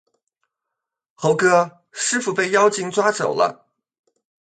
猴哥，师父被妖精抓走了